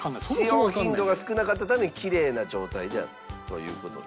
使用頻度が少なかったためキレイな状態であるという事で。